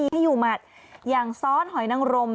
หมดแล้ว